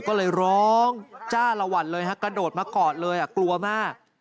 ก็เลยร้องจ้าละวันเลยฮะกระโดดมากอดเลยกลัวมาก